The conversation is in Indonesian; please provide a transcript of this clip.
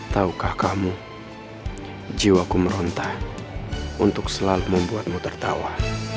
tahukah kamu jiwaku meronta untuk selalu membuatmu tertawa